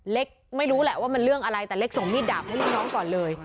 เล็กไม่รู้แหละว่ามันเรื่องอะไรแต่เล็กส่งมีดดาบให้ลูกน้องก่อนเลย